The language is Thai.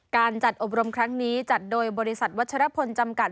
การจัดอบรมครั้งนี้จัดโดยบริษัทวัชรพลจำกัด